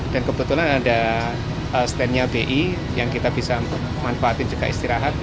dan kebetulan ada standnya bi yang kita bisa manfaatin juga istirahat